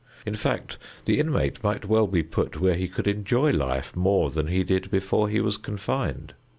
In fact the inmate might well be put where he could enjoy life more than he did before he was confined.